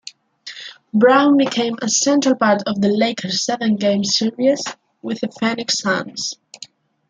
Brown became a central part of the Lakers seven-game series with the Phoenix Suns.